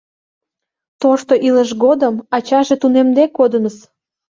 Тошто илыш годым ачаже тунемде кодыныс.